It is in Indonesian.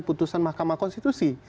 putusan mahkamah konstitusi